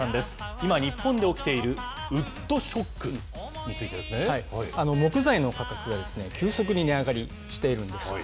今、日本で起きているウッドショックについてですね。木材の価格が急速に値上がりしているんです。